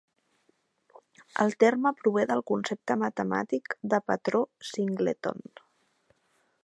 El terme prové del concepte matemàtic de patró "singleton".